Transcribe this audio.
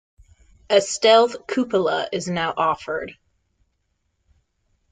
A stealth cupola is now offered.